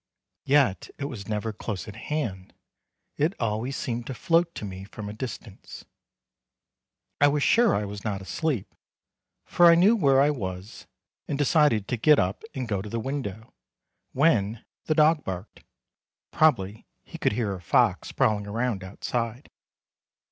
Yet it was never close at hand; it always seemed to float to me from a distance. I was sure I was not asleep, for I knew where I was, and decided to get up and go to the window, when—the dog barked—(probably he could hear a fox prowling around outside).